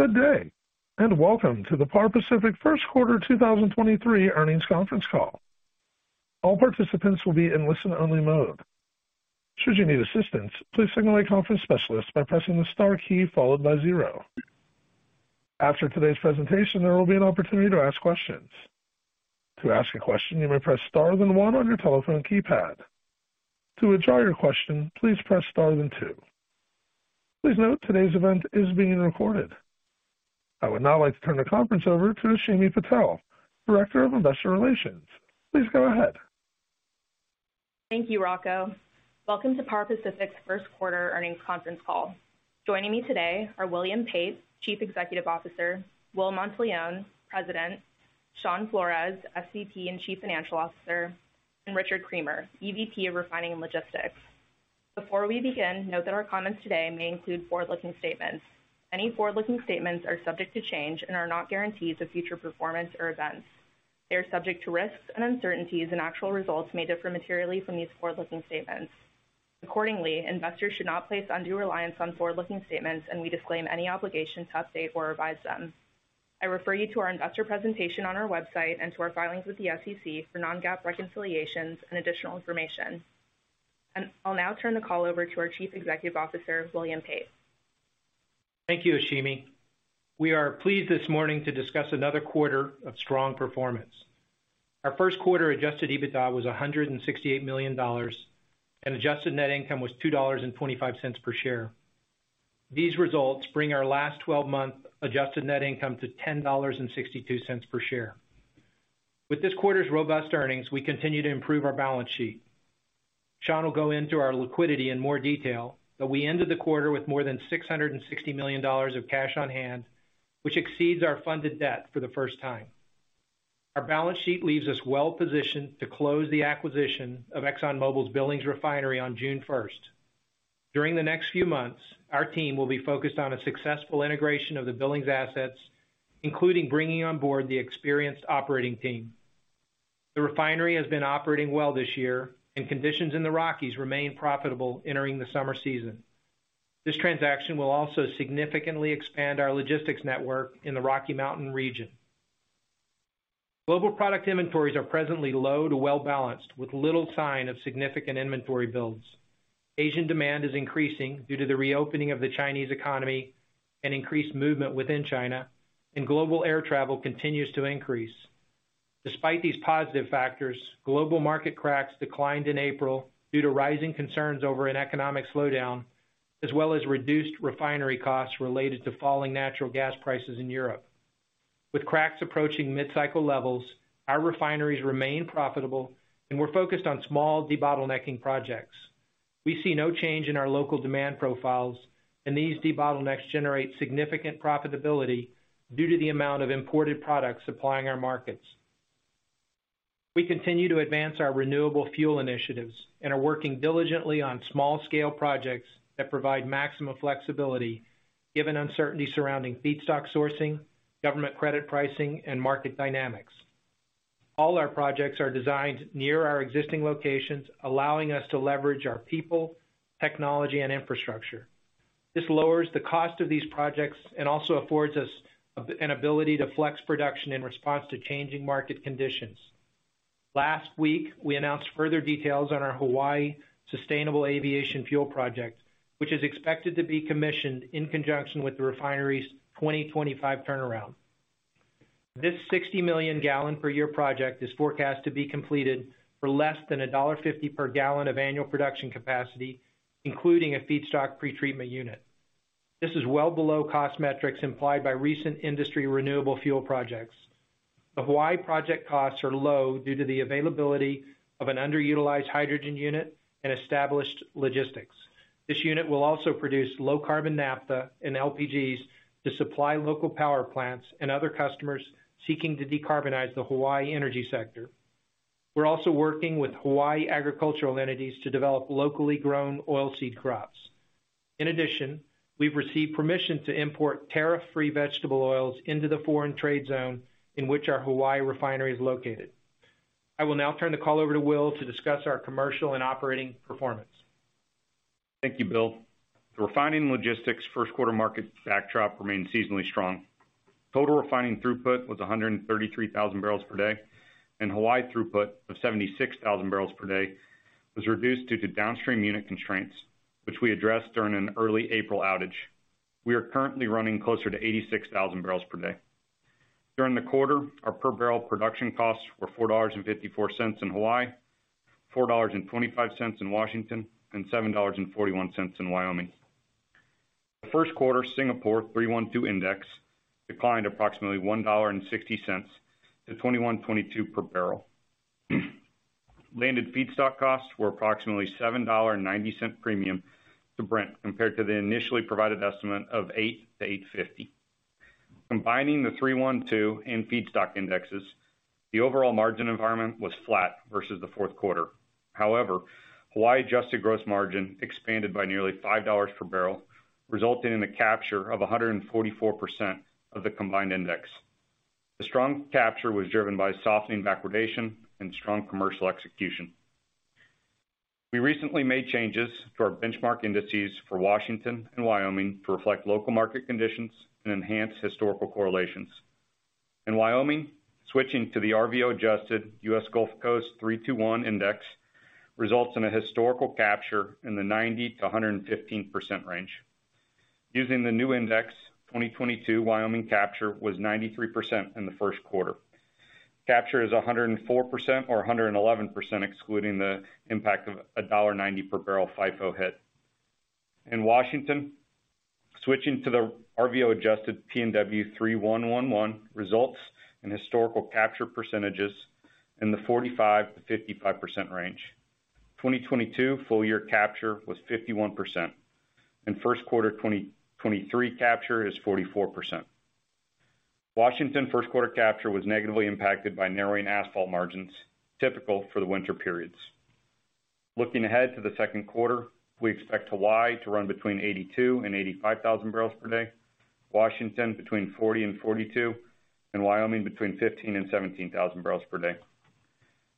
Good day, and welcome to the Par Pacific first quarter 2023 Earnings Conference Call. All participants will be in listen-only mode. Should you need assistance, please signal a conference specialist by pressing the star key followed by 0. After today's presentation, there will be an opportunity to ask questions. To ask a question, you may press Star then 1 on your telephone keypad. To withdraw your question, please press Star then 2. Please note today's event is being recorded. I would now like to turn the conference over to Ashimi Patel, Director of Investor Relations. Please go ahead. Thank you, Rocco. Welcome to Par Pacific's first quarter earnings conference call. Joining me today are William Pate, Chief Executive Officer, Will Monteleone, President, Shawn Flores, SVP, and Chief Financial Officer, and Richard Creamer, EVP of Refining and Logistics. Before we begin, note that our comments today may include forward-looking statements. Any forward-looking statements are subject to change and are not guarantees of future performance or events. They are subject to risks and uncertainties, and actual results may differ materially from these forward-looking statements. Accordingly, investors should not place undue reliance on forward-looking statements, and we disclaim any obligation to update or revise them. I refer you to our investor presentation on our website and to our filings with the SEC for non-GAAP reconciliations and additional information. I'll now turn the call over to our Chief Executive Officer, William Pate. Thank you, Ashimi. We are pleased this morning to discuss another quarter of strong performance. Our first quarter Adjusted EBITDA was $168 million, and adjusted net income was $2.25 per share. These results bring our last 12-month adjusted net income to $10.62 per share. With this quarter's robust earnings, we continue to improve our balance sheet. Shawn will go into our liquidity in more detail, but we ended the quarter with more than $660 million of cash on-hand, which exceeds our funded debt for the first time. Our balance sheet leaves us well-positioned to close the acquisition of ExxonMobil's Billings refinery on June first. During the next few months, our team will be focused on a successful integration of the Billings assets, including bringing on board the experienced operating team. The refinery has been operating well this year, and conditions in the Rockies remain profitable entering the summer season. This transaction will also significantly expand our logistics network in the Rocky Mountain region. Global product inventories are presently low to well-balanced, with little sign of significant inventory builds. Asian demand is increasing due to the reopening of the Chinese economy and increased movement within China, and global air travel continues to increase. Despite these positive factors, global market cracks declined in April due to rising concerns over an economic slowdown, as well as reduced refinery costs related to falling natural gas prices in Europe. With cracks approaching mid-cycle levels, our refineries remain profitable, and we're focused on small debottlenecking projects. We see no change in our local demand profiles, and these debottlenecks generate significant profitability due to the amount of imported products supplying our markets. We continue to advance our renewable fuel initiatives and are working diligently on small-scale projects that provide maximum flexibility given uncertainty surrounding feedstock sourcing, government credit pricing, and market dynamics. All our projects are designed near our existing locations, allowing us to leverage our people, technology, and infrastructure. This lowers the cost of these projects and also affords us an ability to flex production in response to changing market conditions. Last week, we announced further details on our Hawaii Sustainable Aviation Fuel project, which is expected to be commissioned in conjunction with the refinery's 2025 turnaround. This 60 million gallon per year project is forecast to be completed for less than $1.50 per gallon of annual production capacity, including a feedstock pretreatment unit. This is well below cost metrics implied by recent industry renewable fuel projects. The Hawaii project costs are low due to the availability of an underutilized hydrogen unit and established logistics. This unit will also produce low-carbon naphtha and LPGs to supply local power plants and other customers seeking to decarbonize the Hawaii energy sector. We're also working with Hawaii agricultural entities to develop locally grown oil seed crops. In addition, we've received permission to import tariff-free vegetable oils into the Foreign-Trade Zone in which our Hawaii refinery is located. I will now turn the call over to Will to discuss our commercial and operating performance. Thank you, Bill. The refining logistics first quarter market backdrop remained seasonally strong. Total refining throughput was 133,000 barrels per day, and Hawaii throughput of 76,000 barrels per day was reduced due to downstream unit constraints, which we addressed during an early April outage. We are currently running closer to 86,000 barrels per day. During the quarter, our per-barrel production costs were $4.54 in Hawaii, $4.25 in Washington, and $7.41 in Wyoming. The first quarter Singapore 3-1-2 index declined approximately $1.60 to $21.22 per barrel. Landed feedstock costs were approximately $7.90 premium to Brent compared to the initially provided estimate of $8-$8.50. Combining the Singapore 3-1-2 and feedstock indexes, the overall margin environment was flat versus the fourth quarter. Hawaii adjusted gross margin expanded by nearly $5 per barrel, resulting in the capture of 144% of the combined index. The strong capture was driven by softening backwardation and strong commercial execution. We recently made changes to our benchmark indices for Washington and Wyoming to reflect local market conditions and enhance historical correlations. In Wyoming, switching to the RVO-adjusted U.S. Gulf Coast 3-2-1 index results in a historical capture in the 90%-115% range. Using the new index, 2022 Wyoming capture was 93% in the first quarter. Capture is 104% or 111% excluding the impact of a $1.90 per barrel FIFO hit. In Washington, switching to the RVO-adjusted PNW 3-1-1-1 results in historical capture percentages in the 45%-55% range. 2022 full year capture was 51%. In first quarter 2023 capture is 44%. Washington first quarter capture was negatively impacted by narrowing asphalt margins, typical for the winter periods. Looking ahead to the second quarter, we expect Hawaii to run between 82,000 and 85,000 barrels per day, Washington between 40 and 42, and Wyoming between 15,000 and 17,000 barrels per day.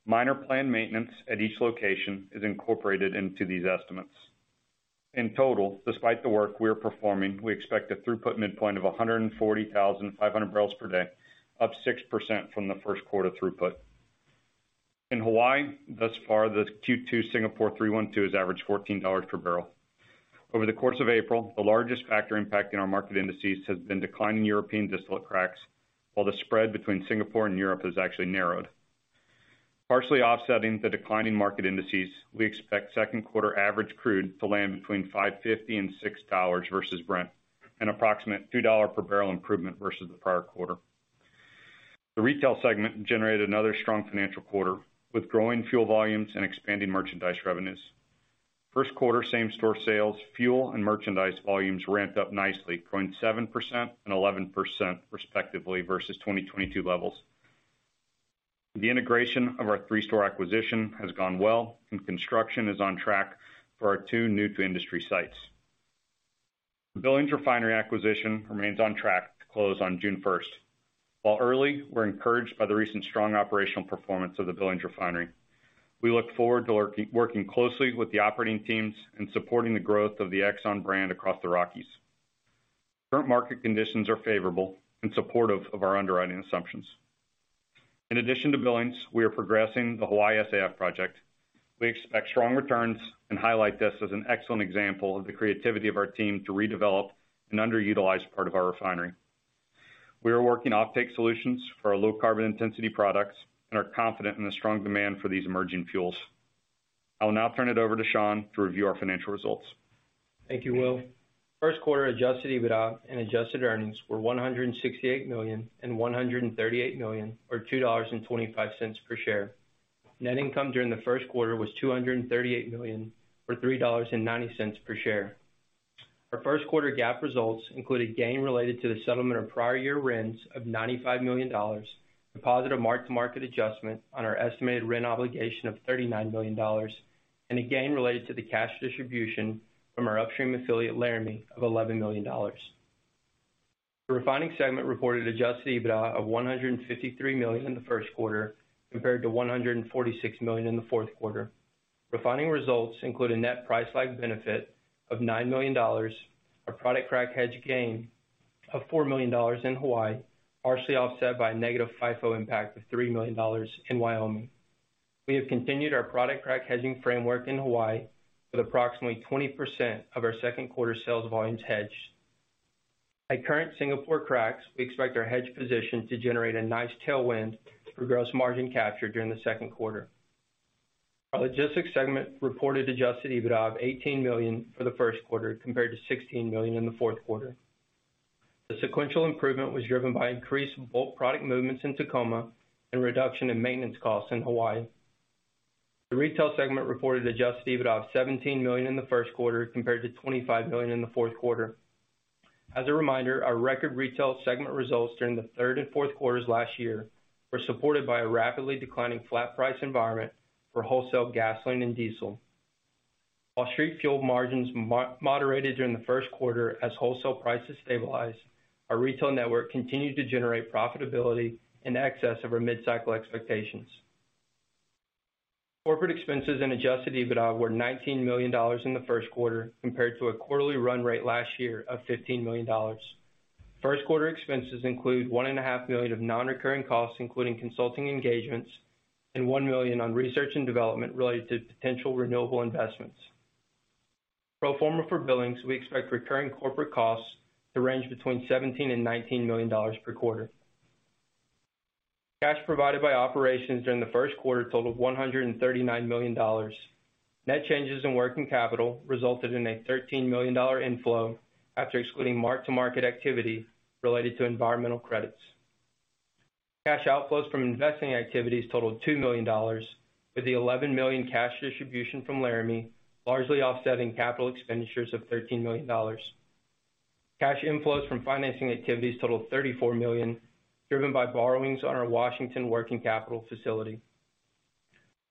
Minor planned maintenance at each location is incorporated into these estimates. In total, despite the work we are performing, we expect a throughput midpoint of 140,500 barrels per day, up 6% from the first quarter throughput. In Hawaii, thus far, the Q2 Singapore 3-1-2 has averaged $14 per barrel. Over the course of April, the largest factor impacting our market indices has been declining European distillate cracks, while the spread between Singapore and Europe has actually narrowed. Partially offsetting the declining market indices, we expect second quarter average crude to land between $5.50 and $6 versus Brent, an approximate $2 per barrel improvement versus the prior quarter. The retail segment generated another strong financial quarter with growing fuel volumes and expanding merchandise revenues. First quarter same-store sales, fuel, and merchandise volumes ramped up nicely, growing 7% and 11% respectively, versus 2022 levels. The integration of our 3-store acquisition has gone well, and construction is on track for our 2 new-to-industry sites. The Billings Refinery acquisition remains on track to close on June 1st. While early, we're encouraged by the recent strong operational performance of the Billings Refinery. We look forward to working closely with the operating teams and supporting the growth of the Exxon brand across the Rockies. Current market conditions are favorable and supportive of our underwriting assumptions. In addition to Billings, we are progressing the Hawaii SAF project. We expect strong returns and highlight this as an excellent example of the creativity of our team to redevelop an underutilized part of our refinery. We are working offtake solutions for our low carbon intensity products and are confident in the strong demand for these emerging fuels. I will now turn it over to Shawn to review our financial results. Thank you, Will. First quarter Adjusted EBITDA and adjusted earnings were $168 million and $138 million, or $2.25 per share. Net income during the first quarter was $238 million, or $3.90 per share. Our first quarter GAAP results include a gain related to the settlement of prior year RINs of $95 million, a positive mark-to-market adjustment on our estimated RIN obligation of $39 million, and a gain related to the cash distribution from our upstream affiliate, Laramie, of $11 million. The refining segment reported Adjusted EBITDA of $153 million in the first quarter, compared to $146 million in the fourth quarter. Refining results include a net price-like benefit of $9 million, a product crack hedge gain of $4 million in Hawaii, partially offset by a negative FIFO impact of $3 million in Wyoming. We have continued our product crack hedging framework in Hawaii with approximately 20% of our second quarter sales volumes hedged. At current Singapore cracks, we expect our hedge position to generate a nice tailwind through gross margin capture during the second quarter. Our logistics segment reported Adjusted EBITDA of $18 million for the first quarter, compared to $16 million in the fourth quarter. The sequential improvement was driven by increased bulk product movements in Tacoma and reduction in maintenance costs in Hawaii. The retail segment reported Adjusted EBITDA of $17 million in the first quarter, compared to $25 million in the fourth quarter. As a reminder, our record retail segment results during the third and fourth quarters last year were supported by a rapidly declining flat price environment for wholesale gasoline and diesel. While street fuel margins moderated during the first quarter as wholesale prices stabilized, our retail network continued to generate profitability in excess of our mid-cycle expectations. Corporate expenses and Adjusted EBITDA were $19 million in the first quarter, compared to a quarterly run rate last year of $15 million. First quarter expenses include one and a half million of non-recurring costs, including consulting engagements, and $1 million on research and development related to potential renewable investments. Pro forma for billings, we expect recurring corporate costs to range between $17 million and $19 million per quarter. Cash provided by operations during the first quarter totaled $139 million. Net changes in working capital resulted in a $13 million inflow after excluding mark-to-market activity related to environmental credits. Cash outflows from investing activities totaled $2 million, with the $11 million cash distribution from Laramie largely offsetting capital expenditures of $13 million. Cash inflows from financing activities totaled $34 million, driven by borrowings on our Washington working capital facility.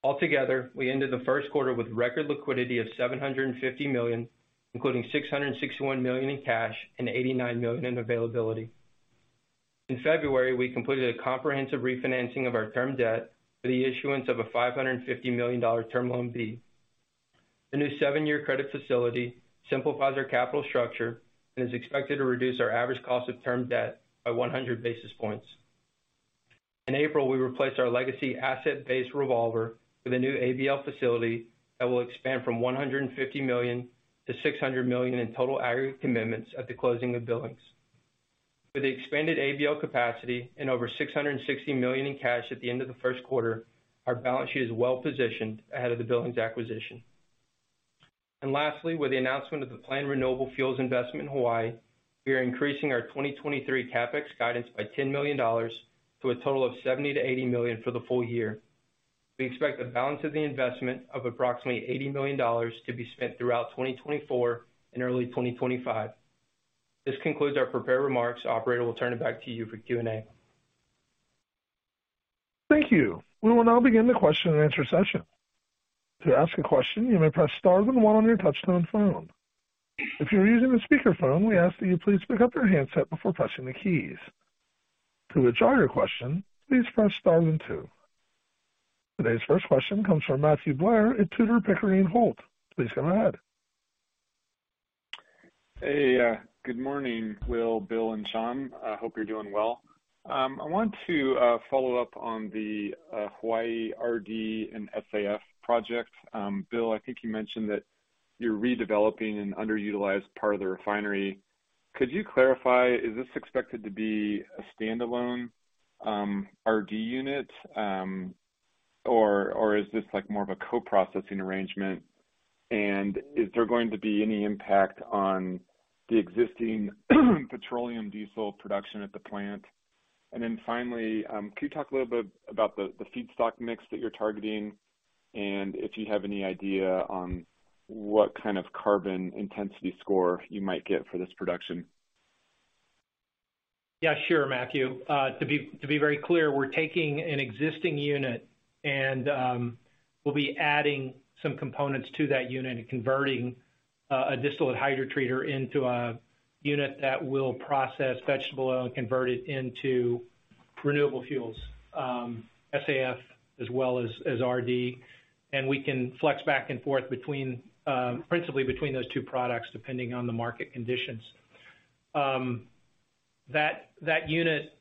Altogether, we ended the first quarter with record liquidity of $750 million, including $661 million in cash and $89 million in availability. In February, we completed a comprehensive refinancing of our term debt for the issuance of a $550 million Term Loan B. The new seven-year credit facility simplifies our capital structure and is expected to reduce our average cost of term debt by 100 basis points. In April, we replaced our legacy asset-based revolver with a new ABL facility that will expand from $150 million to $600 million in total aggregate commitments at the closing of Billings. With the expanded ABL capacity and over $660 million in cash at the end of the first quarter, our balance sheet is well-positioned ahead of the Billings acquisition. Lastly, with the announcement of the planned renewable fuels investment in Hawaii, we are increasing our 2023 CapEx guidance by $10 million to a total of $70 million-$80 million for the full year. We expect the balance of the investment of approximately $80 million to be spent throughout 2024 and early 2025. This concludes our prepared remarks. Operator, we'll turn it back to you for Q&A. Thank you. We will now begin the question-and-answer session. To ask a question, you may press star then one on your touchtone phone. If you are using a speakerphone, we ask that you please pick up your handset before pressing the keys. To withdraw your question, please press star then two. Today's first question comes from Matthew Blair at Tudor, Pickering, Holt. Please go ahead. Good morning, Will, Bill, and Shawn. I want to follow up on the Hawaii RD and SAF project. Bill, I think you mentioned that you're redeveloping an underutilized part of the refinery. Could you clarify, is this expected to be a standalone RD unit? Or is this, like, more of a co-processing arrangement? Is there going to be any impact on the existing petroleum diesel production at the plant? Finally, could you talk a little bit about the feedstock mix that you're targeting, and if you have any idea on what kind of carbon intensity score you might get for this production? Yeah, sure, Matthew. To be very clear, we're taking an existing unit and we'll be adding some components to that unit and converting a distillate hydrotreater into a unit that will process vegetable oil and convert it into renewable fuels, SAF as well as RD. We can flex back and forth between principally between those two products, depending on the market conditions. That unit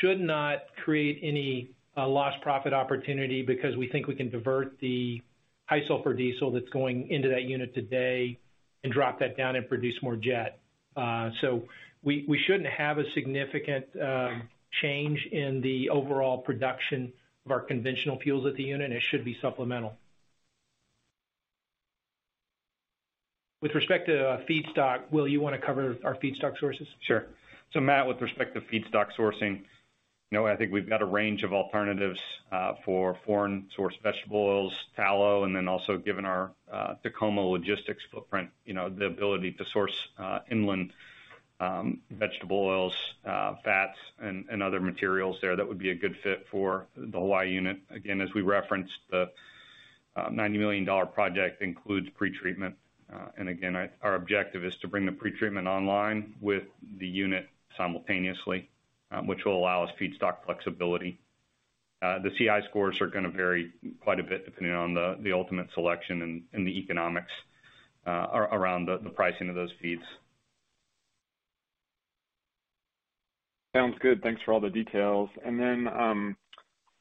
should not create any lost profit opportunity because we think we can divert the high sulfur diesel that's going into that unit today and drop that down and produce more jet. So we shouldn't have a significant change in the overall production of our conventional fuels at the unit. It should be supplemental. With respect to feedstock, Will, you wanna cover our feedstock sources? Sure. Matt, with respect to feedstock sourcing, you know, I think we've got a range of alternatives for foreign-sourced vegetable oils, tallow, and then also given our Tacoma logistics footprint, you know, the ability to source inland vegetable oils, fats and other materials there that would be a good fit for the Hawaii unit. Again, as we referenced, the $90 million project includes pretreatment. And again, our objective is to bring the pretreatment online with the unit simultaneously, which will allow us feedstock flexibility. The CI scores are gonna vary quite a bit depending on the ultimate selection and the economics around the pricing of those feeds. Sounds good. Thanks for all the details. Then,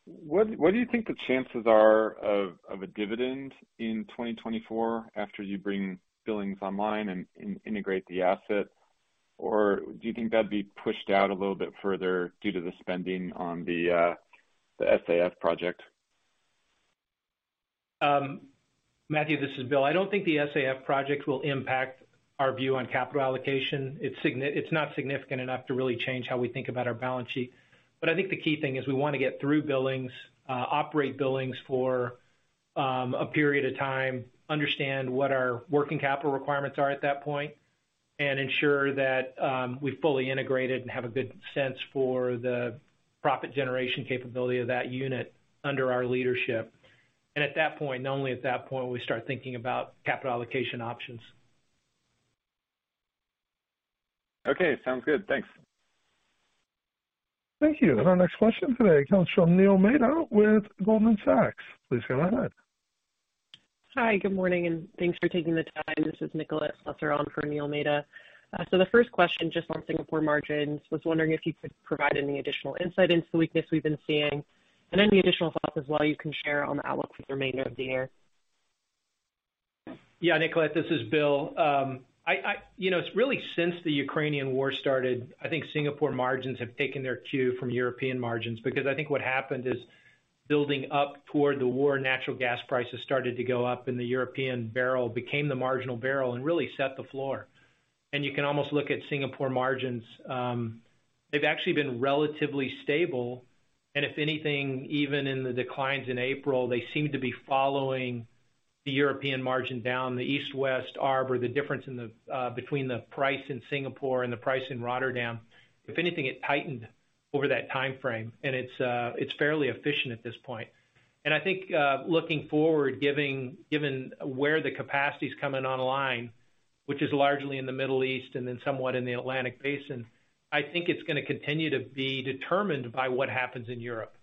what do you think the chances are of a dividend in 2024 after you bring Billings online and integrate the asset? Or do you think that'd be pushed out a little bit further due to the spending on the SAF project? Matthew, this is Bill. I don't think the SAF project will impact our view on capital allocation. It's not significant enough to really change how we think about our balance sheet. I think the key thing is we wanna get through Billings, operate Billings for a period of time, understand what our working capital requirements are at that point, and ensure that we've fully integrated and have a good sense for the profit generation capability of that unit under our leadership. At that point, and only at that point, we start thinking about capital allocation options. Okay. Sounds good. Thanks. Thank you. Our next question today comes from Neil Mehta with Goldman Sachs. Please go ahead. Hi, good morning, and thanks for taking the time. This is Nicolete Slusser on for Neil Mehta. The first question, just on Singapore margins, was wondering if you could provide any additional insight into the weakness we've been seeing, and any additional thoughts as well you can share on the outlook for the remainder of the year. Yeah, Nicolette, this is Bill. you know, it's really since the Ukrainian war started, I think Singapore margins have taken their cue from European margins because I think what happened is building up toward the war, natural gas prices started to go up, and the European barrel became the marginal barrel and really set the floor. You can almost look at Singapore margins. They've actually been relatively stable. If anything, even in the declines in April, they seem to be following the European margin down the East-West arb or the difference in the between the price in Singapore and the price in Rotterdam. If anything, it tightened over that timeframe, and it's fairly efficient at this point. I think, looking forward, given where the capacity is coming online, which is largely in the Middle East and then somewhat in the Atlantic Basin, I think it's gonna continue to be determined by what happens in Europe.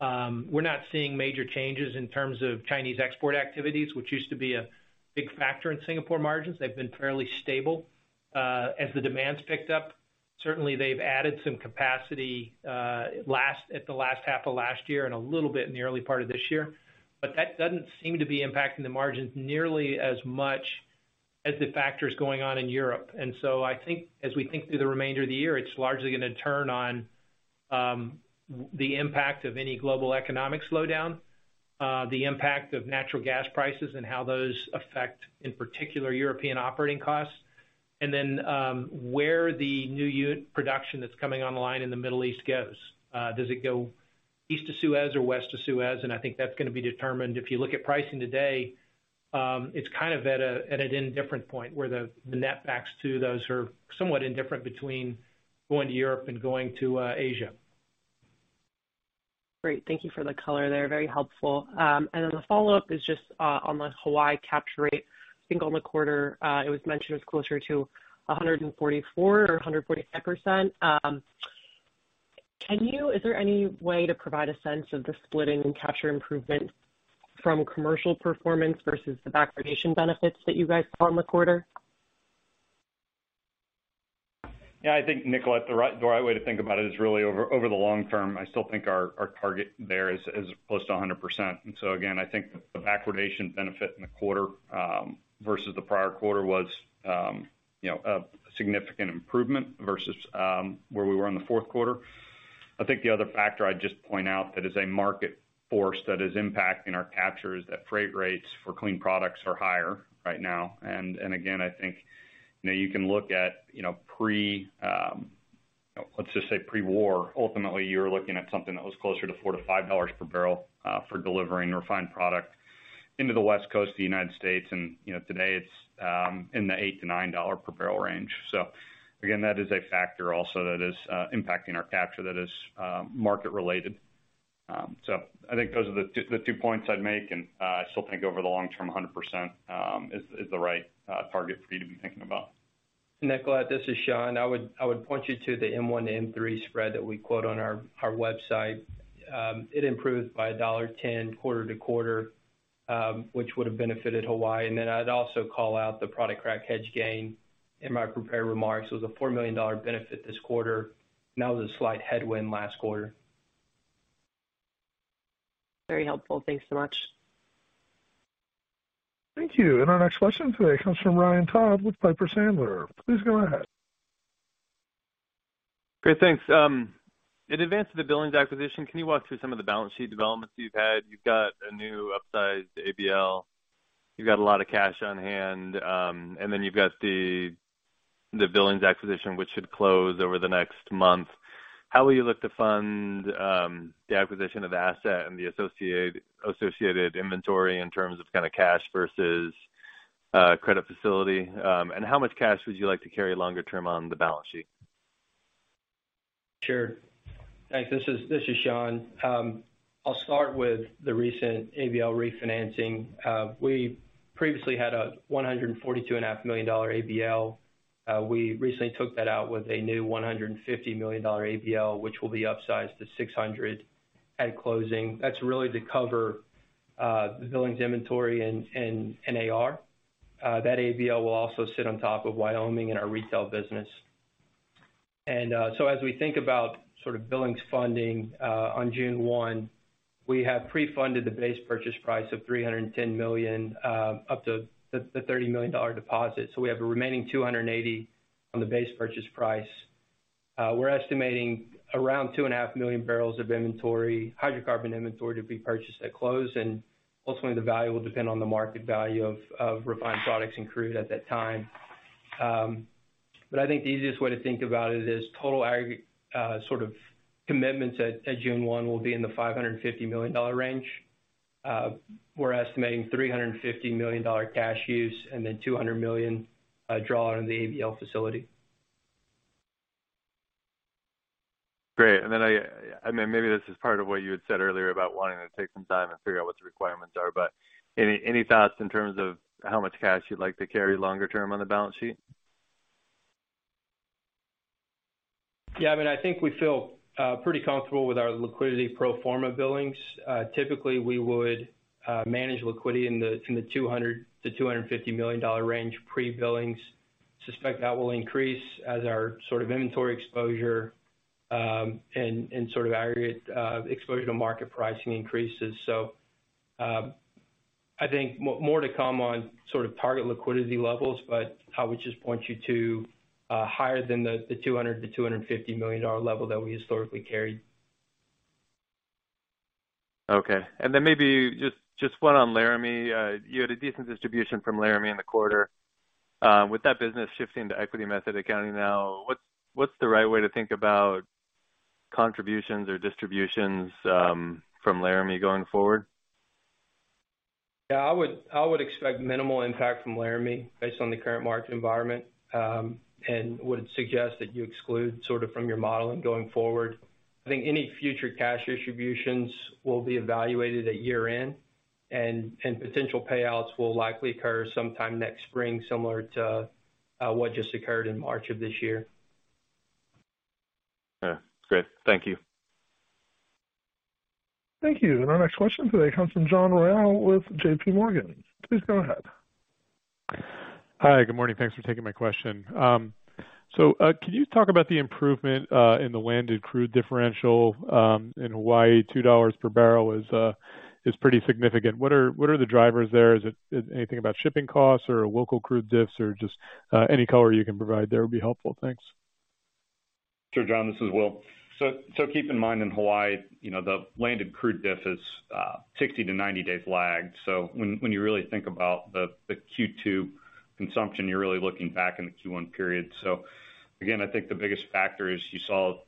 We're not seeing major changes in terms of Chinese export activities, which used to be a big factor in Singapore margins. They've been fairly stable. As the demands picked up, certainly they've added some capacity, at the last half of last year and a little bit in the early part of this year. That doesn't seem to be impacting the margins nearly as much as the factors going on in Europe. I think as we think through the remainder of the year, it's largely gonna turn on, the impact of any global economic slowdown, the impact of natural gas prices and how those affect, in particular, European operating costs. Where the new unit production that's coming online in the Middle East goes. Does it go east to Suez or west to Suez? I think that's gonna be determined. If you look at pricing today, it's kind of at a indifferent point where the net backs to those are somewhat indifferent between going to Europe and going to Asia. Great. Thank you for the color there. Very helpful. The follow-up is just on the Hawaii capture rate. I think on the quarter, it was mentioned it was closer to 144% or 145%. Is there any way to provide a sense of the split in capture improvement from commercial performance versus the backwardation benefits that you guys saw in the quarter? Yeah, I think, Nicolette, the right way to think about it is really over the long term, I still think our target there is close to 100%. Again, I think the backwardation benefit in the quarter, versus the prior quarter was, you know, a significant improvement versus where we were in the fourth quarter. I think the other factor I'd just point out that is a market force that is impacting our captures, that freight rates for clean products are higher right now. Again, I think, you know, you can look at pre, let's just say pre-war. Ultimately, you're looking at something that was closer to $4-$5 per barrel for delivering refined product into the West Coast of the United States. You know, today it's in the $8-$9 per barrel range. Again, that is a factor also that is impacting our capture that is market-related. I think those are the two points I'd make, and I still think over the long term, 100% is the right target for you to be thinking about. Nicolette, this is Shawn. I would point you to the M1/M3 spread that we quote on our website. It improved by $1.10 quarter-to-quarter, which would have benefited Hawaii. I'd also call out the product crack hedge gain in my prepared remarks. It was a $4 million benefit this quarter, and that was a slight headwind last quarter. Very helpful. Thanks so much. Thank you. Our next question today comes from Ryan Todd with Piper Sandler. Please go ahead. Great. Thanks. In advance of the Billings acquisition, can you walk through some of the balance sheet developments you've had? You've got a new upsized ABL. You've got a lot of cash on hand, and then you've got the Billings acquisition, which should close over the next month. How will you look to fund the acquisition of asset and the associated inventory in terms of kinda cash versus credit facility? How much cash would you like to carry longer term on the balance sheet? Sure. Thanks. This is Shawn. I'll start with the recent ABL refinancing. We previously had a $142 and a half million ABL. We recently took that out with a new $150 million ABL, which will be upsized to $600 million at closing. That's really to cover the Billings inventory and NAR. That ABL will also sit on top of Wyoming and our retail business. As we think about sort of Billings funding on June 1, we have pre-funded the base purchase price of $310 million up to the $30 million deposit. We have a remaining $280 million on the base purchase price. We're estimating around 2.5 million barrels of hydrocarbon inventory to be purchased at close, and ultimately the value will depend on the market value of refined products and crude at that time. I think the easiest way to think about it is total sort of commitments at June 1 will be in the $550 million range. We're estimating $350 million cash use and then $200 million draw on the ABL facility. Great. Then I mean, maybe this is part of what you had said earlier about wanting to take some time and figure what the requirements are, but any thoughts in terms of how much cash you'd like to carry longer term on the balance sheet? Yeah, I mean, I think we feel pretty comfortable with our liquidity pro forma billings. Typically, we would manage liquidity from the $200 million-$250 million range pre-billings. Suspect that will increase as our sort of inventory exposure, and sort of aggregate exposure to market pricing increases. I think more to come on sort of target liquidity levels, but I would just point you to higher than the $200 million-$250 million level that we historically carried. Okay. Maybe just one on Laramie. You had a decent distribution from Laramie in the quarter. With that business shifting to equity method accounting now, what's the right way to think about contributions or distributions from Laramie going forward? Yeah, I would expect minimal impact from Laramie based on the current market environment. I would suggest that you exclude sort of from your modeling going forward. I think any future cash distributions will be evaluated at year-end, and potential payouts will likely occur sometime next spring, similar to what just occurred in March of this year. Yeah. Great. Thank you. Thank you. Our next question today comes from John Royall with JP Morgan. Please go ahead. Hi. Good morning. Thanks for taking my question. Could you talk about the improvement in the landed crude differential in Hawaii? $2 per barrel is pretty significant. What are the drivers there? Is it anything about shipping costs or local crude diffs or just any color you can provide there would be helpful. Thanks. Sure, John, this is Will. Keep in mind in Hawaii, the landed crude diff is 60 to 90 days lagged. When you really think about the Q2 consumption, you're really looking back in the Q1 period. Again, I think the biggest factor is you saw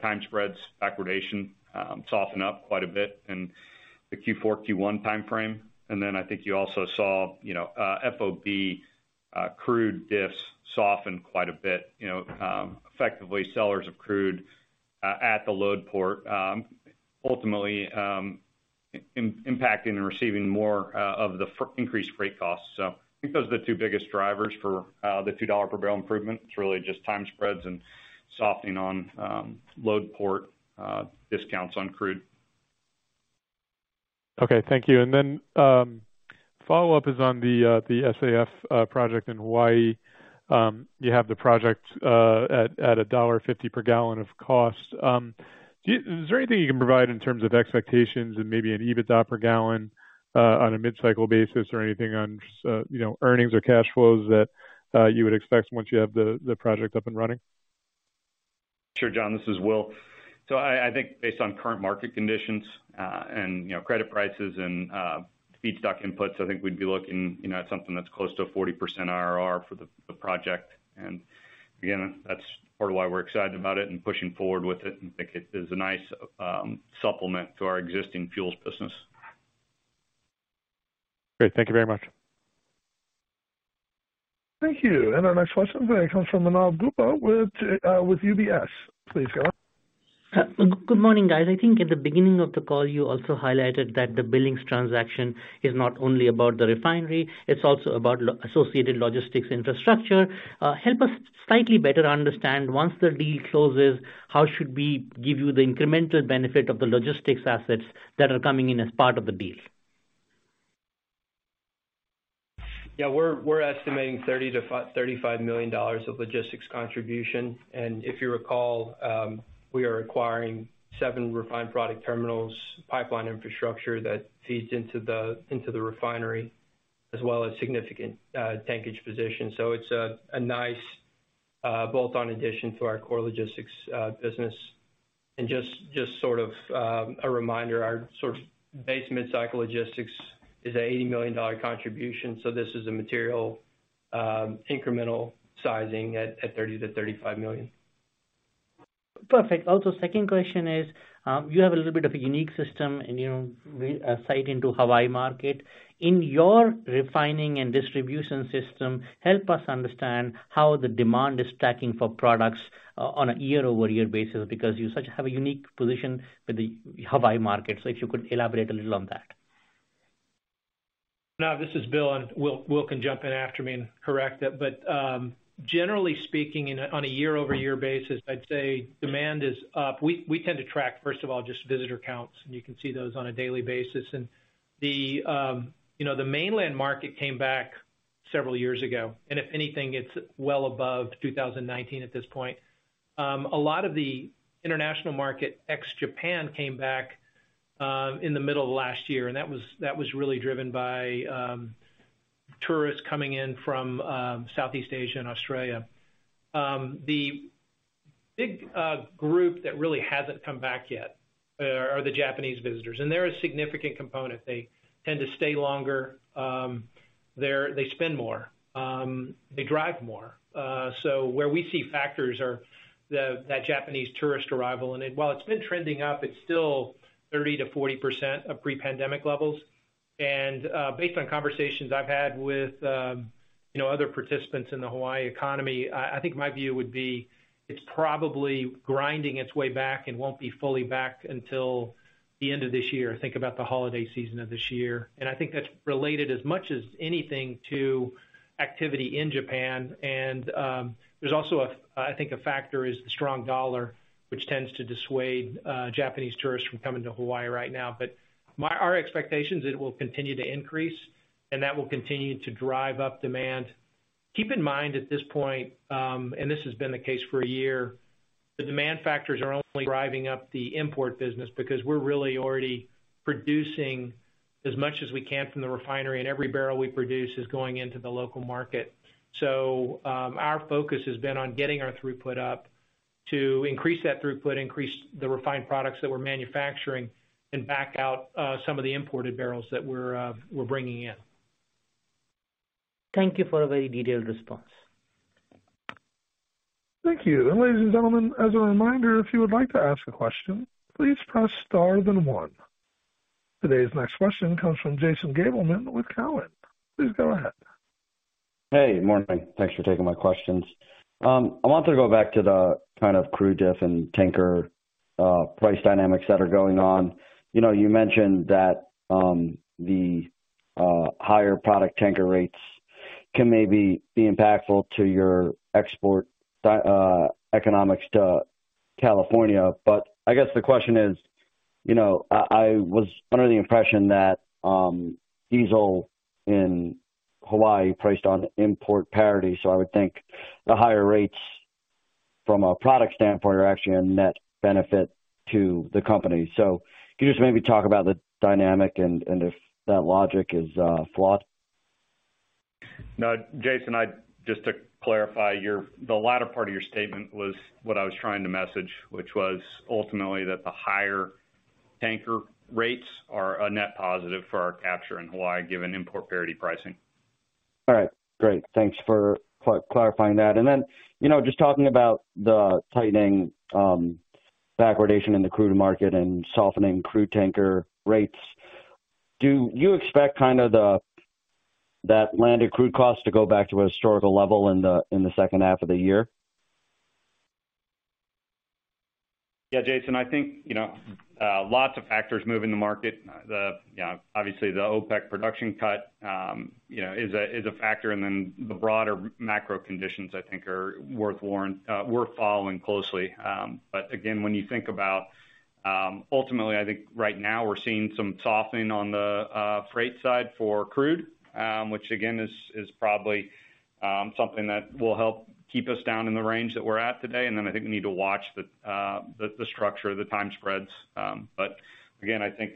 time spreads, backwardation, soften up quite a bit in the Q4-Q1 timeframe. I think you also saw FOB crude diffs soften quite a bit, effectively sellers of crude at the load port, ultimately impacting and receiving more of the increased freight costs. I think those are the 2 biggest drivers for the $2 per barrel improvement. It's really just time spreads and softening on load port discounts on crude. Okay. Thank you. Follow-up is on the SAF project in Hawaii. You have the project at $1.50 per gallon of cost. Is there anything you can provide in terms of expectations and maybe an EBITDA per gallon on a mid-cycle basis or anything on just, you know, earnings or cash flows that you would expect once you have the project up and running? Sure, John, this is Will. I think based on current market conditions, and, you know, credit prices and feedstock inputs, I think we'd be looking, you know, at something that's close to a 40% IRR for the project. Again, that's part of why we're excited about it and pushing forward with it and think it is a nice supplement to our existing fuels business. Great. Thank you very much. Thank you. Our next question today comes from Manav Gupta with UBS. Please go ahead. Good morning, guys. I think at the beginning of the call, you also highlighted that the Billings transaction is not only about the refinery, it's also about associated logistics infrastructure. Help us slightly better understand, once the deal closes, how should we give you the incremental benefit of the logistics assets that are coming in as part of the deal? Yeah. We're estimating $30 million-$35 million of logistics contribution. If you recall, we are acquiring 7 refined product terminals, pipeline infrastructure that feeds into the refinery as well as significant tankage position. It's a nice bolt-on addition to our core logistics business. Just sort of a reminder, our sort of base mid-cycle logistics is an $80 million contribution. This is a material incremental sizing at $30 million-$35 million. Perfect. Second question is, you have a little bit of a unique system and, you know, site into Hawaii market. In your refining and distribution system, help us understand how the demand is stacking for products on a year-over-year basis, because you such have a unique position with the Hawaii market. If you could elaborate a little on that. Manav, this is Bill, and Will can jump in after me and correct it. Generally speaking, on a year-over-year basis, I'd say demand is up. We tend to track, first of all, just visitor counts, and you can see those on a daily basis. The, you know, the mainland market came back several years ago, and if anything, it's well above 2019 at this point. A lot of the international market, ex-Japan, came back in the middle of last year, and that was really driven by tourists coming in from Southeast Asia and Australia. The big group that really hasn't come back yet are the Japanese visitors. They're a significant component. They tend to stay longer. They spend more. They drive more. Where we see factors are that Japanese tourist arrival. While it's been trending up, it's still 30%-40% of pre-pandemic levels. Based on conversations I've had with, you know, other participants in the Hawaii economy, I think my view would be it's probably grinding its way back and won't be fully back until the end of this year. Think about the holiday season of this year. I think that's related as much as anything to activity in Japan. There's also a, I think, a factor is the strong dollar, which tends to dissuade Japanese tourists from coming to Hawaii right now. Our expectation is it will continue to increase, and that will continue to drive up demand. Keep in mind at this point, this has been the case for a year, the demand factors are only driving up the import business because we're really already producing as much as we can from the refinery, and every barrel we produce is going into the local market. Our focus has been on getting our throughput up to increase that throughput, increase the refined products that we're manufacturing, and back out some of the imported barrels that we're bringing in. Thank you for a very detailed response. Thank you. Ladies and gentlemen, as a reminder, if you would like to ask a question, please press star then one. Today's next question comes from Jason Gabelman with Cowen. Please go ahead. Hey, morning. Thanks for taking my questions. I wanted to go back to the kind of crude diff and tanker price dynamics that are going on. You know, you mentioned that the higher product tanker rates can maybe be impactful to your export economics to California. I guess the question is, you know, I was under the impression that diesel in Hawaii priced on import parity, so I would think the higher rates from a product standpoint are actually a net benefit to the company. Can you just maybe talk about the dynamic and if that logic is flawed? No, Jason, Just to clarify the latter part of your statement was what I was trying to message, which was ultimately that the higher tanker rates are a net positive for our capture in Hawaii, given import parity pricing. All right, great. Thanks for clarifying that. You know, just talking about the tightening backwardation in the crude market and softening crude tanker rates, do you expect kind of the, that landed crude cost to go back to a historical level in the, in the second half of the year? Yeah, Jason, I think, you know, lots of factors move in the market. The, you know, obviously the OPEC production cut, you know, is a factor. The broader macro conditions I think are worth warrant, worth following closely. Again, when you think about, ultimately, I think right now we're seeing some softening on the freight side for crude, which again, is probably something that will help keep us down in the range that we're at today. Then I think we need to watch the structure of the time spreads. Again, I think,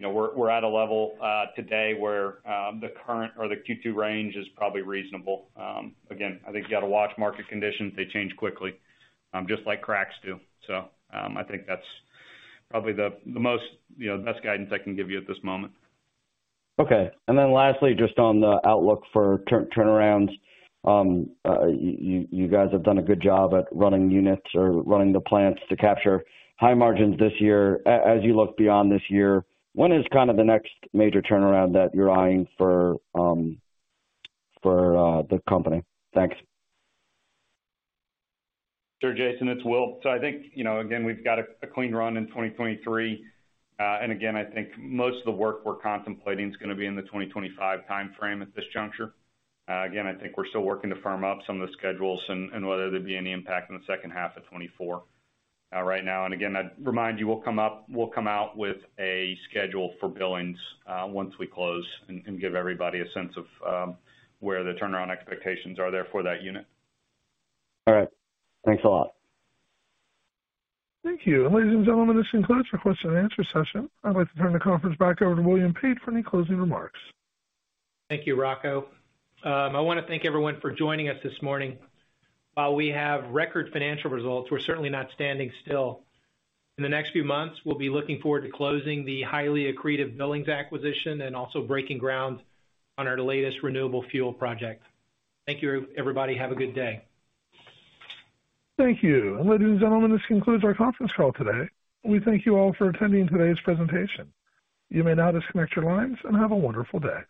you know, we're at a level today where the current or the Q2 range is probably reasonable. I think you gotta watch market conditions. They change quickly, just like cracks do. I think that's probably the most, you know, best guidance I can give you at this moment. Okay. Lastly, just on the outlook for turnarounds. You guys have done a good job at running units or running the plants to capture high margins this year. As you look beyond this year, when is kind of the next major turnaround that you're eyeing for the company? Thanks. Sure, Jason, it's Will. I think, you know, again, we've got a clean run in 2023. Again, I think most of the work we're contemplating is gonna be in the 2025 timeframe at this juncture. Again, I think we're still working to firm up some of the schedules and whether there'd be any impact in the second half of 2024 right now. Again, I'd remind you, we'll come out with a schedule for billings once we close and give everybody a sense of where the turnaround expectations are there for that unit. All right. Thanks a lot. Thank you. Ladies and gentlemen, this concludes your question and answer session. I'd like to turn the conference back over to William Pate for any closing remarks. Thank you, Rocco. I wanna thank everyone for joining us this morning. While we have record financial results, we're certainly not standing still. In the next few months, we'll be looking forward to closing the highly accretive Billings acquisition and also breaking ground on our latest renewable fuel project. Thank you, everybody. Have a good day. Thank you. Ladies and gentlemen, this concludes our conference call today. We thank you all for attending today's presentation. You may now disconnect your lines and have a wonderful day.